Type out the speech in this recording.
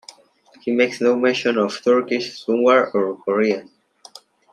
He makes no mention of Turkish, Sunwar, or Korean.